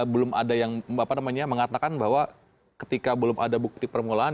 belum ada yang mengatakan bahwa ketika belum ada bukti permulaan